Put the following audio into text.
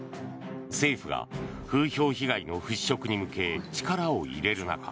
政府が風評被害の払拭に向け力を入れる中